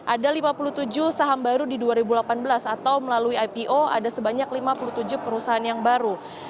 ada lima puluh tujuh saham baru di dua ribu delapan belas atau melalui ipo ada sebanyak lima puluh tujuh perusahaan yang baru